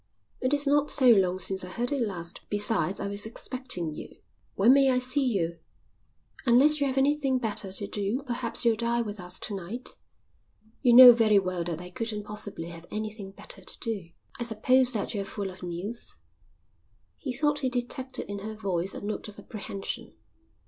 "It is not so long since I heard it last. Besides, I was expecting you." "When may I see you?" "Unless you have anything better to do perhaps you'll dine with us to night." "You know very well that I couldn't possibly have anything better to do." "I suppose that you're full of news?" He thought he detected in her voice a note of apprehension.